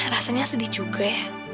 rasanya sedih juga ya